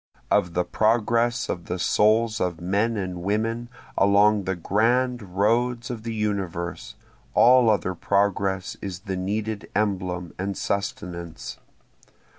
Of the progress of the souls of men and women along the grand roads of the universe, all other progress is the needed emblem and sustenance.